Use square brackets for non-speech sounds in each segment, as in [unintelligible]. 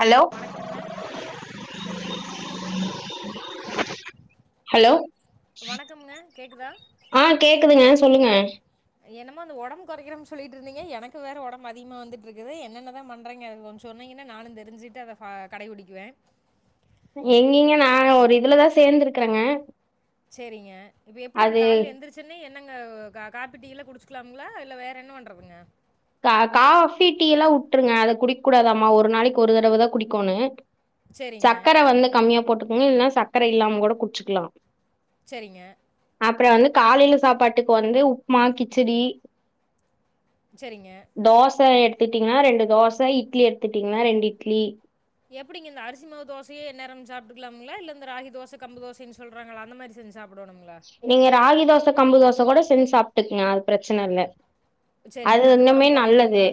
Hello வணக்கம்ங்க hello வணக்கம்ங்க கேக்குதா ஆ கேக்குதுங்க சொல்லுங்க என்னமோ அந்த ஒடம்ப கொறைக்கிறன்னு சொல்லிட்டு இருந்தீங்க எனக்கு வேற ஒடம்பு அதிகமா வந்துட்டு இருக்குது என்னென்னதா பண்றீங்க அது கொஞ்சோ சொன்னீங்கன்னா நானோ தெரிஞ்சுட்டு அத ஃபா கடைபிடிக்குவே எங்கங்க நான் ஒரு இதுலதா சேந்திருக்குறேங்க செரிங்க இப்ப எப்படிங்க கால்ல எழுந்தருச்சுன்னே என்னங்க காப்பி டீலா குடிச்சிக்கலாங்களா இல்ல வேற என்ன பண்றதுங்க கா காஃபி டீலா வுட்டுருங்க அது குடிக்க கூடாதாமா ஒரு நாளைக்கு ஒரு தடவதா குடிக்கோணோ சரிங்க சக்கர வந்து கம்மியா போட்டுக்கோங்க இல்லன்னா சக்கர இல்லாம கூட குச்சுக்கலா செரிங்க அப்புறோ வந்து காலைல சாப்பாட்டுக்கு வந்து உப்மா கிச்சிடி சரிங்க தோச எடுத் துட்டீங்கன்னா ரெண்டு தோசை இட்லி எடுத்துட்டீங்கன்னா ரெண்டு இட்லி எப்படிங்க இந்த அரிசி மாவு தோசைய என் நேரமும் சாப்டுகாங்களா இல்ல இந்த ராகி தோச கம்பு தோசனு சொல்றாங்களா அந்த மாரி செஞ்சு சாப்பிடணுங்களா நீங்க ராகி தோச கம்பு தோச கூட செஞ்சு சாப் டுக்குங்க அது பிரச்சனை இல்ல சரிங்க அது இண்ணுமே உடம்பு நல்லது குறையுங்களா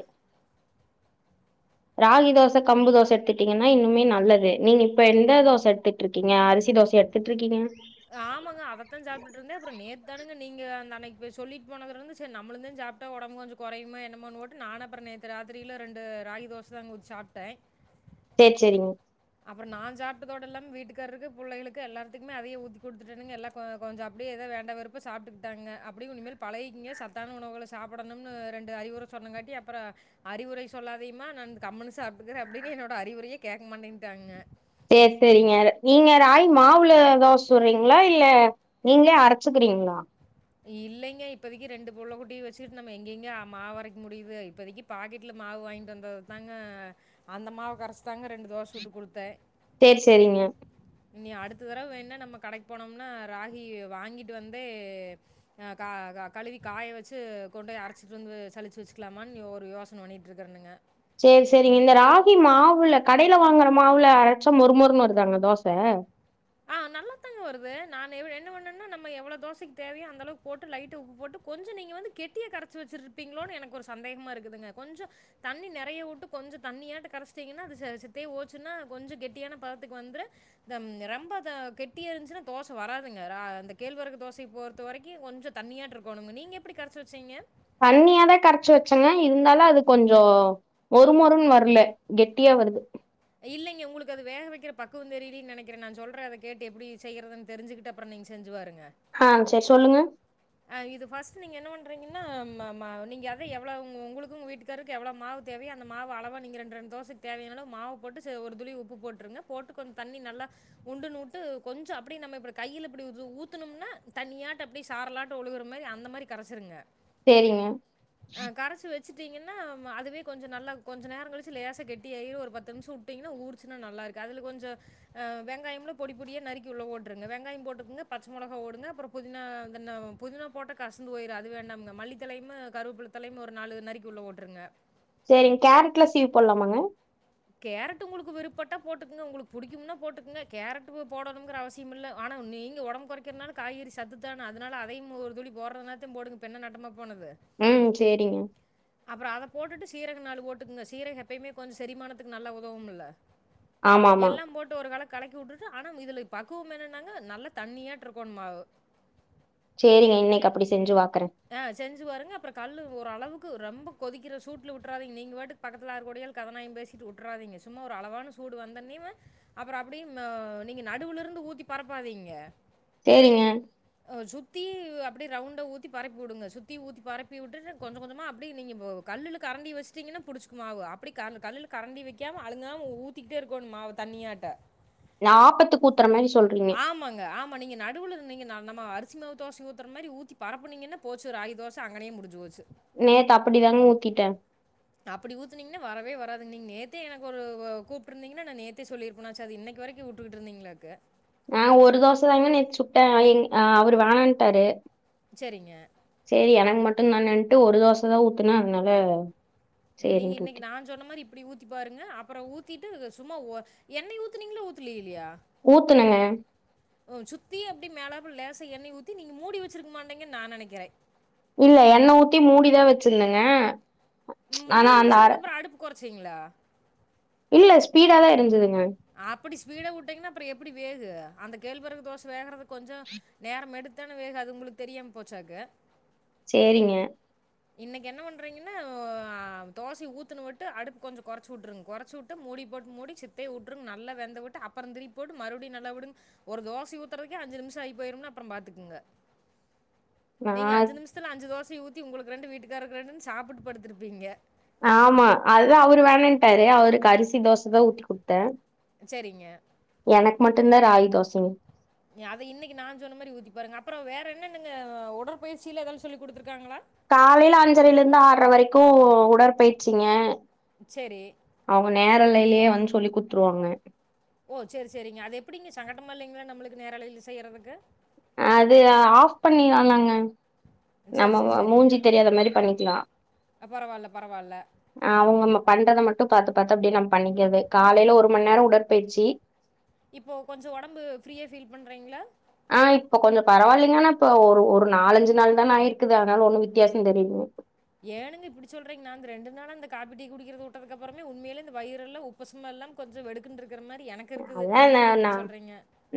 ராகி தோச கம்பு தோச எடுத்துட்டீங்கன்னா இன்னுமே நல்லது நீங்க இப்ப எந்த தோச எடுத்துட்டு இருக்கீங்க அரிசி தோசயா எடுத்துட்டு இருக்கீங்க ஆம் ஆமாங்க அததா சாப்டுட்டு இருந்தே அப்றோ நேத்தானுங்க நீங்க அந்த எனக்கு இப்ப சொல்லிட்டு போனதுலருந்து செரி நம்மளும்தா சாப்பிட்ட உடம்பு கொஞ்சோ குறையூமோ என்னமோட்டு நானும் அப்புறம் நேத்து ராத்திரில ரெண்டு ராகி தோசைதா ஊத்தி சாப்பிட்டேன் செரி செரிங்க அப்புறம் நான் சாப்பிட்டதோடல்லாம வீட்டுக்காரருக்கு பிள்ளகளுக்கு எல்லாத்துக்குமே அதைய ஊத்தி கொடுத்துட்டேங்க எல்லாம் கொஞ்சோ அப்படியே ஏதோ வேண்ட வெறுப்பா சாப்பிட்டுக்கிட்டாங்க அப்படியும் இனிமேல் பழகைிங்க சத்தான உணவுகள சாப்பிடணும்னு ரெண்டு அறிவுர சொன்னங்காட்டி அப்புறம் அறிவுர சொல்லாதியுமா நான் கம்ன்னு சாப்பிட்டுக்கறேன் அப்படின்னு என்னோட அறிவுரைய கேட்க மாட்டேங் தாங்க சரி செரிங்க நீங்க ராய் மாவுல தோச சுடுறீங்களா இல்ல நீங்களே அரைச்சுக்குறீங்களா இல்லைங்க இப்பதக்கி ரெண்டு புள்ள குட்டிய வச்சுட்டு நம்ம எங்கெங்க மாவு அரைக்க முடியுது இப்பதைகு பாக்கெட்ல மாவு வாங்கிட்டு வந்தது தாங்க அந்த மாவு கரைச் தாங்க ரெண்டு தோச சுட்டு கொடுத்தேன் சேரி சேரிங்க இனி அடுத்த தடவ வேண்ணா நம்ம கடைக்கு போனோம்னா ராகி வாங்கிட்டு வந்து ஆஹ் கா கழுவி காய வச்சு கொண்டு போய் அரைச்சுட்டு வந்து சழிச்சு வெச்சுக்கலாமான்னு ஒரு யோசனை பண்ணிட்டு இருக்கறானுங்க செரி சேரிங்க இந்த ராகி மாவுல கடைல வாங்குற மாவுல அரைட்சா மொறுன்னு வருதாங்க தோச ஆ நல்லாத்தாங்க வருது நான் என்ன பண்ணேன்னா நம்ம எவ்வளவு தோசைக்கு தேவையோ அந்த அளவுக்கு போட்டு லைட்டா உப்பு போட்டு கொஞ்சோ நீங்க வந்து கெட்டிய கரைச்சு வச்சிருப்பீங்களோ எனக்கு கொஞ்சோ சந்தேகமா இருக்குதுங்க கொஞ்சம் தண்ணி நெறைய வுட்டு கொஞ்சம் தண்ணியா கரைச்சிட்டீங்கன்னா அது சத்த ஓச்சுன்னா கொஞ்சம் கெட்டியான பதத்துக்கு வந்துரும் ரொம்ப அத கட்டியா இருந்துச்சுனா தோச வராதுங்க அந்த கேழ்வரகு தோசைக்கு பொறுத்த வரைக்கும் கொஞ்சோ தண்ணியாட்டு இருக்கணுங்க நீங்க எப்படி கரைச்சி வெச்சீங்க தண்ணியாதான் கரைச்சு வச்சங்க இருந்தாலும் அது கொஞ்சோ மொறுமொறுன்னு வரல கெட்டியா வருது இல்லைங்க உங்குளுக்கு அது வேக வெக்குற பக்குவோ தெரியலன்னு நெனைக்கிற நான் சொல்ற அத கேட்டு எப்படி செய்றதுன்னு தெரிஞ்சுக்கிட்டு அப்புறோ நீங்க செஞ்சுபாருங் ஆ செரி சொல்லுங்க இது ஃபர்ஸ்ட் நீங்க என்ன பண்றீங்கன்னாங்க ம ம நீங்க அது எவ்ளவு உங்குளுக்கு உங்க வீட்டுக்காரருக்கு எவ்வளவு மாவு தேவயோ அந்த மாவு அளவா நீங்க ரெண்டெரெண்டு தோசைக்கு தேவையானாலோ மாவு போட்டு ஒரு துளி உப்பு போட்டுருங்க போட்டு கொஞ்ச் தண்ணி நல்லா உண்டு நூட்டு கொஞ்சோ அப்படியே நம்ம கையில இப்பிடி ஊத்தனும்னா தண்ணியாட்டோ அப்டி சாரலாட்டோ ஒழுகுற மாரி அந்த மாரி கரச்சிருங்க செரிங்க வச்சுட்டிங்கன்னா அதுவே கொஞ்சோ நல்லா கொஞ்சோ நேரம் கழிச்சு லேச கெட்டி ஆயிரும் ஒரு பத்து நிமிஷம் விட்டிங்கன்னா ஊறுச்சின்னா நல்லாயிருக்குது அதில கொஞ்சம் வெங்காயம்ல பொடி பொடியா நறுக்கி உள்ள போட்டுருங்க வெங்காயம் போட்டுக்கோங்க பச்சை மிளகா போடுங்க அப்புறம் புதினா இருந்துனா புதினா போட்ட கசந்து போயிடும் அது வேண்டாம்ங்க மல்லித்தலையேயும் கருவேப்புலத்தலையும் ஒரு நாலுது நறுக்கி உள்ள போட்டுருங்க செரிங்க கேரட்ல சீவி போடலாமாங்க கேரட் உங்களுக்கு விருப்ப பட்டா போட்டுக்கோங்க உங்களுக்கு புடிக்கும்னா போட்டுக்கோங்க கேரட் போடணுங்கிற அவசியம் இல்ல ஆனா நீங்க உடம்பு குறைக்கிறதுனால காய்கறி சத்துத்தான அதனால அதையும் ஒரு துளி போடுறதுனத்தையும் போடுங்க இப்பெண்ண நட்டமா போனது? ஹும் செரிங்க அப்புறம் அத போட்டுட்டு சீரகம் நாலு போட்டுக்கங்க சீரக எப்பயுமே கொஞ்சோ செரிமானத்துக்கு நல்ல உதவும் இல்ல ஆமா ஆமா எல்லாம் போட்டு ஒரு கலக்கு கடைக்கி விட்டுட்டு ஆனா இதுல பக்குவம் என்னும்னாங்க நல்லா தண்ணியா இருக்கோனு மாவு செரிங்க இன்னைக்கு அப்படி செஞ்சு பா ஆஹ் செஞ்சு பாருங்க அப்புறம் கல்லு ஒரு அளவுக்கு ரொம்ப கொதிக்கிற சூட்ல விட்டுறாதீங்க நீங்க பாட்டுக்கு பக்கத்துல ஆக்கடியல் கதநாயம் பேசிட்டு விட்டுறாதீங்க சும்மா ஒரு அளவான சூடு வந்தனே அப்புறம் அப்படிய நீங்க நடுவுல இருந்து ஊத்தி பரப்பாதீங்க செரிங்க சுத்தி அப்படி ரவுண்ட ஊத் ஊத்தி பரப்பி விடுங்க சுத்தி ஊத்தி பரப்பி விட்டுட்டு கொஞ்சம் கொஞ்சமா அப்படி நீங்க கல்லுல கரண்டி வச்சுட்டீங்கன்னா புடிச்சுக்கு மாவு அப்படி க கல்லுல கரண்டி வைக்காம அழுங்காம ஊத்திக்கிட்டே இருக்கனும் மாவு தண்ணியாட்டு நாபத்து குத்து ஆமாங்க ஆமா நீங்க நடுவுல இருந்தீங்க ந நம்ம அரிசி மாவு தோச ஊத்துற மாதி ஊற்றி பரப்புனீங்கன்னா போச்சு ராகி தோச அங்கனே முடிஞ்சு போச்சு நேத்து அப்படிதாங்க ஊத்திட்டேன் ங்க நேத்தே எனக்கு ஒரு கூப்பிட்டுந்தீங்கன்னா நான் நேத்தே சொல்லிருப்பேனாச்சு அது இன்னைக்கு வரைக்கும் வுட்டுட்டு இருந்தீங்களாக்கு ஆஹ் ஒரு தோச தாங்க தா நேத்து சுட்டேன் அவரு வேணடாட்டாரு சரிங்க செரி எனக்கு மட் ட்டும் தானன்ட்டு ஒரு தோசதா ஊத்துனேன் அதனால நீங்க சேரின்ட்டு இன்னக்கி ஊத்தி நாஞ் சொன்ன மாதிரி இப்பிடி ஊத்திப் பாருங்க அப்புறம் ஊத்திட் தது சும்மா எண்ணெய ஊத்துனீங்களா ஊத்துலே இல்லையா ஊத்துனங்க ம் சுத்தி அப்டி மேலே லேசா எண்ணெய் ஊத்தி நீங்க மூடி வச்சிருக்க மாட்டீங்கன்னு நான் நெனக்கிறேன் இல்ல எண்ணெ ஊத்தி மூடிதான் வச்சிருந்தேங்க ப்ச் ம் ஆனா மூடி அந்த ஆற வச்சதுக்கப்புறோ அடுப்பு கொறச்சீங்களா இல்ல ஸ்பீடா தான் இருந் அப்பிடி ஸ்பீடா வுட்டீங்கன்னா அப்புறம் எப்பிடி வேகு அந்தக் கேள்வெரகு தோச வேகிறதுக் கொஞ்சோ நேரம் எடுத்த்தானே வேகு அது உங்களுக்கு தெரியாம போச்சாக்கு சேரிங்க இன்னக்கு என்ன பண்றீங்கன்னா தோசய ஊத்துன ஒட்டு அடுப்பு கொஞ்சோ கொறச்சு விட்டுருங்க கொறச்சு விட்டு மூடி போட்டு மூடி சித்தைய விட்டுருங்க நல்லா வெந்த விட்டு அப்புறம் திருப்பி போட்டு மறுபடியும் நல்லா விடுங்க ஒரு தோச ஊத்துறதுக்கே அஞ்சு நிமிஷம் ஆயி போயிரும்னு அப்புறம் பாத்துக்கங்க நா நீங்க அஞ்சு நிமிஷ்த்துல அஞ்சு தோச ஊத்தி உங்களுக்கு ரெண்டு வீட்டுக்காரருக்கு ரெண்டுன்னு சாப்பிட்டுட்டு படுத்திருப்பீங்க ஆமா அதுதான் அவரு வேணான்ட்டாரு அவருக்கு அரிசி தோச தான் ஊத்தி குடுத்தேன் சரிங்க ன்னர் ராகி தோச நீ அத இன்னைக்கு நாஞ்சொன்ன மாதி ஊத்தி பாருங்க அப்புறம் வேற என்னனென்னங்க உடற்பயிற்சியில எதாவது சொல்லி குடுத்திருக்காங்களா காலையில அஞ்சரைல இருந்து ஆறரை வரைக்கும் உடற்பயிச்சிங்க சரி. அவுங்க நேரல் காலையிலயே வந்து சொல்லி குடுத்துருவாங்க ஓ சேரி சேரிங்க அது எப்பிடிங்க சங்கட்டமா இல்லங்களா நம்பளுக்கு நேரலையில செய்யறதுக்கு அது ஆஃப் பண்ணிறுவோ நாங்க சரி, நம்ம சரி, ஓ சரிங்க. மூஞ்சி தெரியாத மாதிரி பண்ணிக்கலாம் பரவால்ல, பரவால்ல. ஆஹ் அவுங்க நம்ம பண்றத மட் வப் பார்த்து பார்த்து அப்பிடியே நம் பண்ணிக்க வேண்டியது காலையில ஒரு மணி நேரம் உடற்பயிற்சி இப்போ கொஞ்சம் ஒடம்பு ஃப்ரீயா ஃபீல் பண்றீங்களா ஆஹ் இப்ப கொஞ்சம பரவாயில்லைங்க ஆனா இப்ப ஒரு ஒரு நாலஞ்சு நாள் தான ஆயிருக்குது அதனால ஒண்ணும் வித்தியாசம் தெரியிலங்க ஏனுங்க இப்பிடி சொல்றீங்க நா இந்த ரெண்டு நாளா இந்த காஃபி. டீ குடிக்கிறது விட்டதுக்கப்புறந்தே உண்மையிலே இந்த வயிறெல்லா உப்புசமா இல்லாம் கொஞ்சோ வெடுக்குன்ருக் அதான்னே நா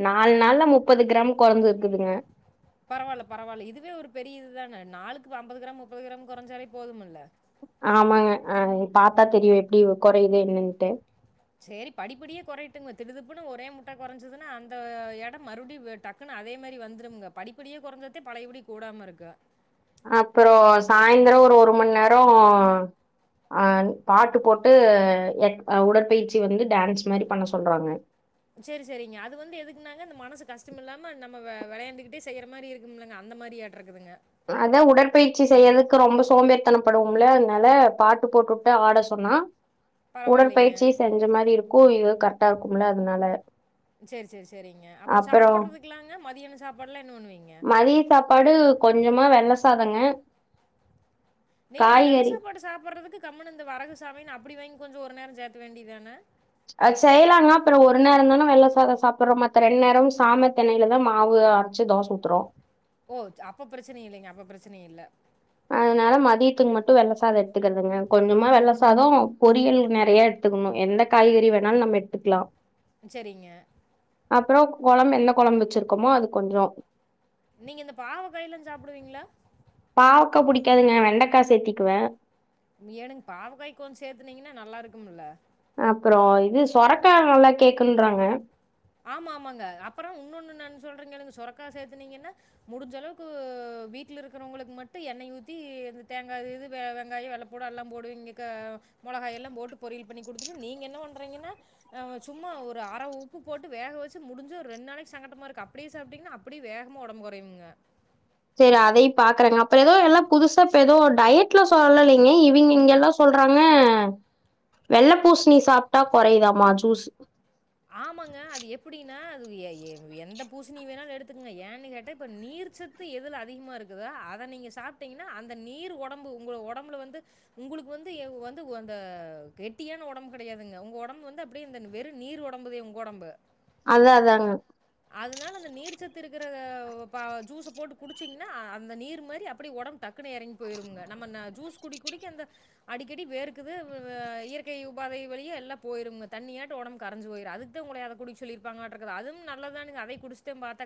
நாலு நாள்ல முப்பது கிராம் கொறஞ்சது ருக்குதுங்க பரவாயில்ல பரவாயில்ல இதுவே ஒரு பெரிய இதுதானே நாளுக்கு அம்பது கிராம் முப்பது கிராம் கொறஞ்சாலே போதுமில்ல ஆமாங்க அஹ் இத் பார்த்தா தெரியு எப்பிடி கொறையுது என்னன்ட்டு சேரி படிப்படியே கொறையட்டுங்க திருதுப்புன்னு ஒரே முட்டா கொறஞ்சதுன்னா அந்த எடம் மறுடியும் டக்குன்னு அதே மாதிரி வந்துரும்ங்க படிப்படியே கொறைஞ்சாத்தே பழையபடி கூடாம இருக்கும் அப்புறம் சாயந்தரம் ஒரு ஒரு மண்ணேரம் அஹ் பாட்டு போட்டு எ உடற்பயிற்சி வந்து டான்ஸ் மாதிரி பண்ண சொல்றாங்க சேரி சேரிங்க அது வந்து எதுக்குன்னாங்க அந்த மனசு கஷ்டம் இல்லாம நம்ம வெளையாண்டுக்கிட்டே செய்யிற மாதிரி இருக்கும்லங்க அந்த மாதிரி ஆட்றதுக்குங்க அதா உடற்பயிற்சி செய்யிறக்கு ரொம்ப சோம்பேரித்தனப்படுவோம்ல அதனால பாட்டு போட்டுட்டு ஆட சொன்னா பரவால்லைங்க. உடற்பயிற்சியு செஞ்ச மாதிரி இருக்கும் இது கரெக்டா இருக்கும்ல அதனால சரி, சரி, அப்புறோ சாப்பாடுல்லா எ மதிய சாப்பாடு கொஞ்சமா வெள்ள சாதங்க நீங்க அந்த வெள்ளை காய்கறி சாப்பாடு சாப்பிடுறதுக்கு கம்மன் இந்த வரகு சாமின்னு அப்படி வாங்கி கொஞ்சம் ஒரு நேரம் சேர்த்த வேண்டியதானே அசெய்யலாங்கா அப்புறம் ஒரு நேரம் தானே வெள்ளை சாதம் சாப்பிடுறோம் மத்த ரெண்டு நேரம் சா திண்ணையிலதான் மாவு அரைச்சு தோசை ஊத்துறோம் ஓ அப்ப பிரச்சனை இல்லைங்க அப்ப பிரச்சனை இல் அதனால மதியத்துக்கு மட்டும் வெள்ள சாதம் எடுத்துக்கிறதுங்க கொஞ்சமா வெள்ள சாதம் பொரியல் நிறைய எடுத்துக்கணும் எந்த காய்கறி வேணாலும் நம்ம எடுத்துக்கலாம் சரிங்க அப்புறம் குழம்பு என்ன குழம்பு வச்சிருக்கோமோ அது கொஞ்சம் நீங்க இந்த பாவ கையல்லாம் சாப்பிடுவீங்களா பாவக்கா புடிக்காதுங்க வெண்டைக்காய் சேத்திக்குவேன் ஏங்க பாவக்காய்க் கொஞ்சம் சேர்த்துனீங்கன்னா நல்லா இருக்கும்ல அப்புறம் இது சொரக்க நல்லாம் கேக்குன்றாங்க ஆமா ஆமாங்க அப்புறம் இன்னொ ஒண்ணு நான்உம் சொல்றீங்க எனங்க சொரக்கா சேர்த்துனீங்கன்னா முடிஞ்ச அளவுக்கு வீடல இருக்கிறவங்களுக்கு மட்டும் எண்ணெய் ஊத்தி இந்த தேங்காய் இது வெங்காயம் வெள்ளைப்பூட எல்லாம் போடுங்க மிளகாய எல்லாம் போட்டு பொரியல் பண்ணி குடுத்துட்டு நீங்க என்ன பண்றீங்கன்னாஹ சும்மா ஒரு அரைப்பு உ போட்டு வேக வச்சு முடிஞ்ச ஒரு ரெண்டு நாளைக்கு சங்கட்டமா இருக்கு அப்படியே சாப்பிட்டீங்கன்னா அப்படியே வேகமா உடம்பு குறயுங்க சரி அதையும் பாக்குறேங்க அப்புறம் ஏதோ எல்லாம் புதுசா இப்ப ஏதோ டயடல சொல்லலைங்க இவங்க இங்க எல்லாம் சொல்றாங்க வெள்ளை பூசணி சாப்பிட்டா குறையுதாமா ஜூஸ்உ ஆமாங்க அது எப்படின்னா அது எந்த பூசணி வேணாலும் எடுத்துக்கங்க ஏன்னு கேட்ட இப்ப நீர்ச்சத்து எதுல அதிகமா இருக்குதோ அத நீங்க சாப்பிட்டீங்கன்னா அந்த நீர் உடம்பு உங்க உடம்புல வந்து உங்களுக்கு வந்து வந்து அந்த கெட்டியான உடம்பு கிடையாதுங்க உங்க உடம்பு வந்து அப்படியே வெறும் நீர் உடம்பு உடம்பு உங்க உடம்பு அதா அதாங்க அதனால அந்த நீர்ச்சத்து இருக்கிற ஜ போட்டு குடிச்சங்கா அந்த நீர் மாி டக்கு இறங்கியடிடிந்த அடிக்கடி இயற்கை உபைியல்ல போய தண்ண உடம்பு ய அதுடி சொல்லப்பா நல்லை குடி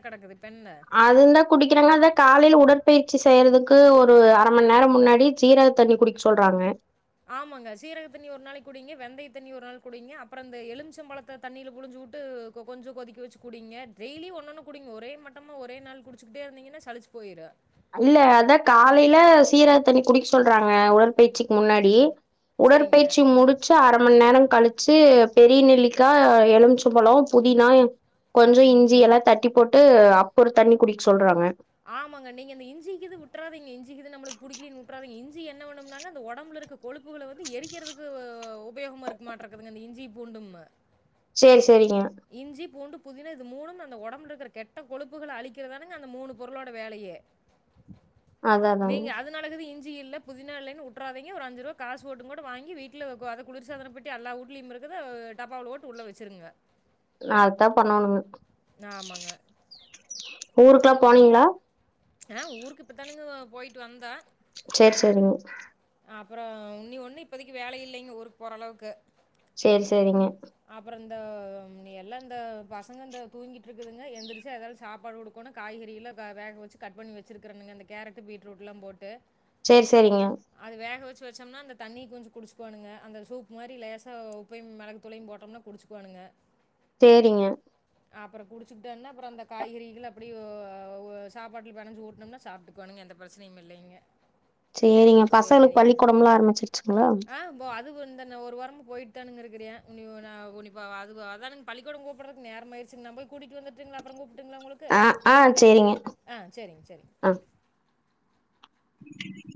கிடக்குது இப்போ என்ன அதும் தா குடிக்கிறாங்க அதா காலைல உடற்பயிற்சி செய்யறதுக்கு கு ஒரு அர மணி நேர முன்னாடி சீரக தண்ணி குடிக்க சொல்றாங்க ஆமாங்க சீரக தண்ணி ஒரு நாளைக்கு குடிங்க வெந்தைய தண்ணி ஒரு நாள் குடிங்க அப்பற இந்த எலுச்சம்பழத்த தண்ணியில புளிஞ்சு விட்டு கொஞ்சோ கொதிக்க வச்சு குடிங்க டெய்லி ஒன்னு ஒன்னு குடிங்க ஒரே மட்டமா ஒரே நாள் குடிச்சுக்கிட்டே இருந்தீங்கன்னா சளிச்சு போயிரு இல்ல அதா காலையில சீரக தண்ணி குடிக்க சொல்றாங்க உடற்பயிற்சிக்கு முன்னாடி சரிங்க உடற்பயிற்சி முடிச்சு அர மணி நேர கழிச்சு பெரிய நெல்லிக்கா எலும்பிச்ச பழோ புதினா கொஞ்ச இஞ்சி எல்லா தட்டி போட்டு அப்புற ஒரு தண்ணி குடிக்க சொல்றாங்க ஆம் குவாங்க நீங்க இந்த இஞ்சிக்கீது விட்டுறாதீங்க இஞ்சிக்கீது நம்மளுக்கு புடிக்கலிங் உட்றாதீங்க இஞ் ஞ்சி என்ன பண்ணும்னாங்க அந்த ஒடம்பு இருக்க கொழுப்புகள வந்து எரிக்கிறதுக்கு ஆ உபயோகமா இருக்குமாட்ட இருக்குதுங்க இந்த இஞ்சி பூண்டும்ம சேரி செரிங்க பூண்டு, புதினா இது மூணும் அந்த ஒடம்புல இருக்கிற கெட்ட கொழுப்புகள அழிக்கிறதானங்க அந்த மூணு பொருளோட வேலையே அதா அதாங்க நீங்க அதனாலக்குது இஞ்சி இல் இல்ல புதினா இல்லன்னு உட்டுறாதீங்க ஒரு அஞ்சு ரூப காசு போட்டு கூட வாங்கி வீட்டுல கொ அத குளிர்சாதனப் பேட்டி எல்லா ஊட்லியும் இருக்குது டப்பாவு போட்டு உள்ள வச்சிருங்க நா அது தா பண்ணணுங்க ஆமாங்க. ஊருக்கெல்லா போனீங்களா ஆ ஊருக்கு இப்பத்தானுங்க போயிட்டு வந்தோ செர் செரிங்க அப்பறோ இன்னி ஒன்னும் இப்போதக்கு வேலை இல்லைங்க ஊருக்கு போற அளவுக்கு செரி செரிங்க அப்புறம் இந்த எல்லா இந்த பசங்க இந்த தூங்கிட்டு இருக்குதுங்க எந்திரிச்சு எதாவது சாப்பாடு கொடுக்கோணு காய்கறிலா வே வேக வச்சு கட் பண்ணி வச்சுருக்கனுங்க அந்த கேரட்டு பீட்ரூட்லா போட்டு சேர் செரிங்க ப் வச்சோம்னா அந்த தண்ணி கொஞ்சோ குடிச்சுக்கோனுங்க அந்த சூப் மாரி லேசா உப்பையு மெளகு துளையு போட்டோம்னா குடிச்சுக்குவானுங்க சேரிங்க அப்பற குடிச்சக்கிட்டேனா அப்பற அந்த காய்கறிகள் அப்டி [unintelligible] சாப்பாட்டல பெனஞ்சி ஊட்டுனோம்னா சாப்ட்டுக்குவானுங்க எந்த பெரச்சனையு இல்லைங்க சேரிங்க பசங்களுக்கு சரிங்க பள்ளிக்கூடமெல்லா ஆரம்மிச்சிருச்சுங்களா வாரமா போயிட்டு ஒருத்தங்கிருக்கிறியா இனி ஒரு [unintelligible] அது அதனானுங்க பள்ளி கூடம் கூப்ட்றதுக்கு நேர ஆகிருச்சிங்க நா போய் கூட்டிட்டு வந்துறட்டுங்களா அப்ற கூப் ஆ ஆ சேரிங்க ஆ செரிங்க செரிங்க உம்